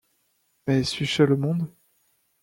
Mais suis-je seul au monde ?